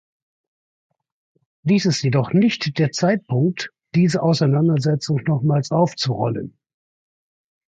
Dies ist jedoch nicht der Zeitpunkt, diese Auseinandersetzung nochmals aufzurollen.